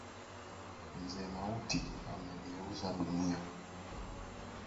Mzee Mauti ameaga dunia.